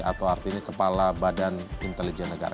atau artinya kepala badan intelijen negara